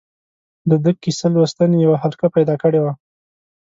ده د کیسه لوستنې یوه حلقه پیدا کړې وه.